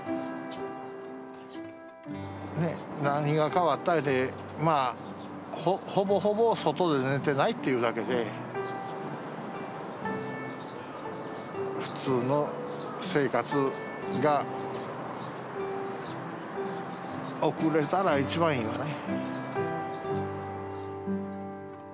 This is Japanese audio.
何が変わったかいうて、まあ、ほぼほぼ外で寝てないっていうだけで、普通の生活が、送れたら一番いいよね。